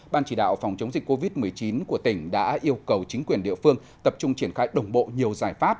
ban chỉ đạo phòng chống dịch covid một mươi chín của tỉnh đã yêu cầu chính quyền địa phương tập trung triển khai đồng bộ nhiều giải pháp